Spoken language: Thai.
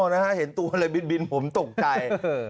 อ๋อนะฮะเห็นตัวอะไรบินผมตกใจ